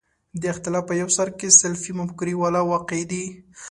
د اختلاف په یو سر کې سلفي مفکورې والا واقع دي.